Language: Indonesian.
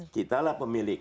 kita lah pemilik